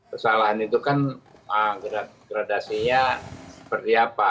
kesalahan itu kan gradasinya seperti apa